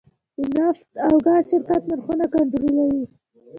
د نفت او ګاز شرکت نرخونه کنټرولوي؟